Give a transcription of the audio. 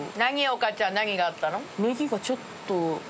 オカちゃん何があったの？